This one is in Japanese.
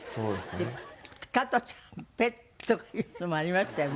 「加トちゃんペッ」とかいうのもありましたよね。